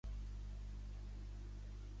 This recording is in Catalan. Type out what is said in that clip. Havíem decidit que m'hi substituiria Yoko.